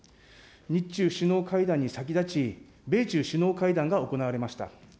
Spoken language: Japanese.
日中首脳会談に先立ち、米中首脳会談が行われました。